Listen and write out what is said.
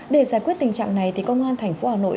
để giải quyết tình trạng này thì công an thành phố hà nội